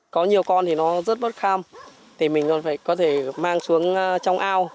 có nhiều con thì nó rất bất kham thì mình có thể mang xuống trong ao